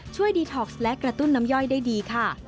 ดีท็อกซ์และกระตุ้นน้ำย่อยได้ดีค่ะ